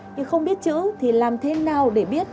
nhưng không biết chữ thì làm thế nào để biết